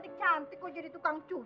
lima puluh ribu buat kamu